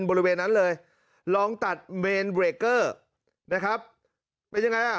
บริเวณนั้นเลยลองตัดเมนเบรกเกอร์นะครับเป็นยังไงอ่ะ